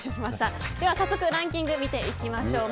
早速、ランキングを見ていきましょう。